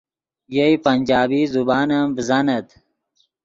یئے پنجابی زبان ام ڤزانت